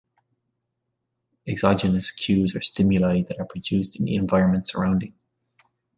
Exogenous cues are stimuli that are produced in the environment surrounding.